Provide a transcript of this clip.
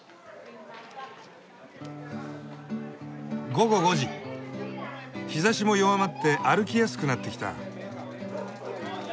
午後５時日ざしも弱まって歩きやすくなってきた。